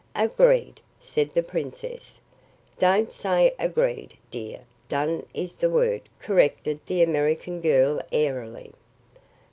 "Agreed," said the princess. "Don't say 'agreed,' dear. 'Done' is the word," corrected the American girl airily.